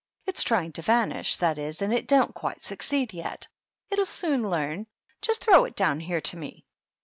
" It's trying to vanish, that is, and it don't quite succeed yet. It'll soon learn. Just throw it down here to me."